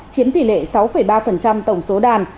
chiếm tỷ lệ sáu ba tổng số đàn